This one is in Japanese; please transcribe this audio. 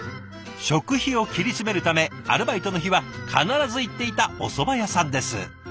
食費を切り詰めるためアルバイトの日は必ず行っていたおそば屋さんです。